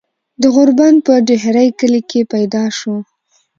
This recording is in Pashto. د غوربند پۀ ډهيرۍ کلي کښې پيدا شو ۔